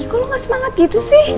kok lo ga semangat gitu sih